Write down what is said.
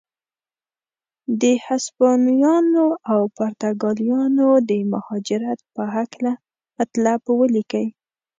د هسپانویانو او پرتګالیانو د مهاجرت په هکله مطلب ولیکئ.